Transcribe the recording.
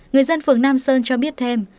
người dân phường nam sơn cho biết thêm